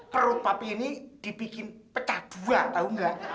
perut papi ini dibikin pecah dua tau nggak